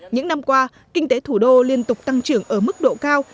những năm qua kinh tế thủ đô liên tục tăng trưởng ở mức độ cao